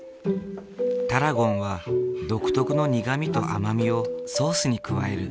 タラゴンは独特の苦みと甘みをソースに加える。